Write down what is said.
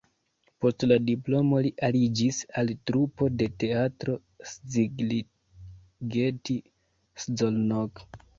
Post la diplomo li aliĝis al trupo de Teatro Szigligeti (Szolnok).